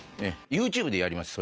ＹｏｕＴｕｂｅでやります。